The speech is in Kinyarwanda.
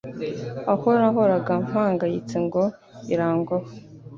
aho nahoraga mpangayitse ngo irangwaho